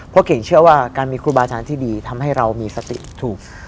เพราะเก่งเชื่อว่าการมีครูบาอาจารย์ที่ดีทำให้เรามีสติถูก